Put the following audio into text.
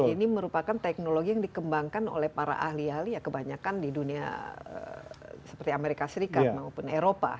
ini merupakan teknologi yang dikembangkan oleh para ahli ahli ya kebanyakan di dunia seperti amerika serikat maupun eropa